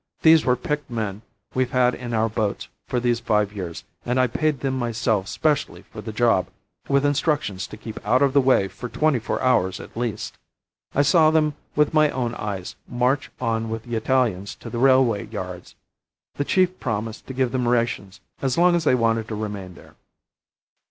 These were picked men we've had in our boats for these five years, and I paid them myself specially for the job, with instructions to keep out of the way for twenty four hours at least. I saw them with my own eyes march on with the Italians to the railway yards. The chief promised to give them rations as long as they wanted to remain there."